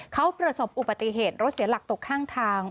เขาประสบอุบัติเหตุรถเสียหลักตกข้างทาง